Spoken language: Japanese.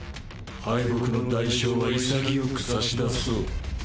敗北の代償は潔く差し出そう。